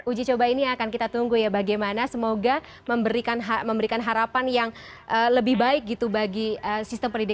uji coba ini akan kita tunggu ya bagaimana semoga memberikan harapan yang lebih baik gitu bagi sistem pendidikan